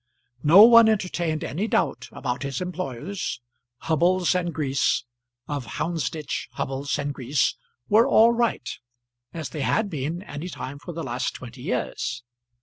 No one entertained any doubt about his employers, Hubbles and Grease of Houndsditch. Hubbles and Grease were all right, as they had been any time for the last twenty years.